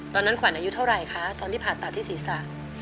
ขวัญอายุเท่าไหร่คะตอนที่ผ่าตัดที่ศีรษะ